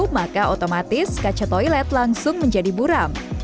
maka otomatis kaca toilet langsung menjadi buram